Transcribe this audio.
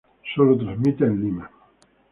Sólo transmite en Lima.